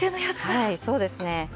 はいそうですね。